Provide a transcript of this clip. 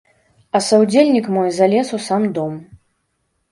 А саўдзельнік мой залез у сам дом.